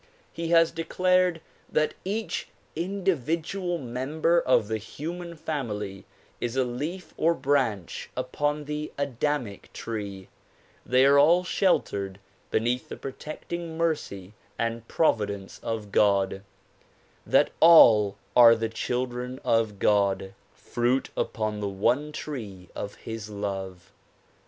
He has declared that each individual member of the human family is a leaf or branch upon the Adamic tree; that all are sheltered beneath the protecting mercy and providence of God; that all are the children of God; fniit upon the one tree of his love.